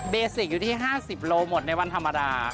ซิกอยู่ที่๕๐โลหมดในวันธรรมดา